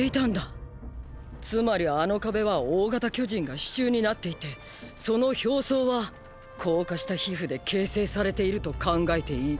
つまりあの壁は大型巨人が主柱になっていてその表層は硬化した皮膚で形成されていると考えていい。